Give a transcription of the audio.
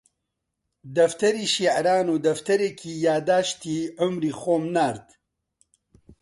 دەفتەری شیعران و دەفتەرێکی یادداشتی عومری خۆم نارد